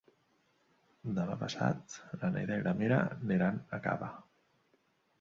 Demà passat na Neida i na Mira aniran a Cava.